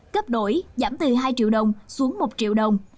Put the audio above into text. cấp đổi giảm từ hai triệu đồng xuống một triệu đồng